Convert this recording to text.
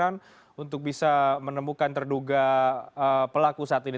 jadi kita akan mencari siaran untuk bisa menemukan terduga pelaku saat ini